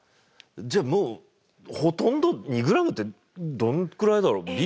じゃあもうほとんど２ｇってどんくらいだろう？